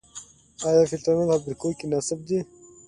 آیا فلټرونه په فابریکو کې نصب دي؟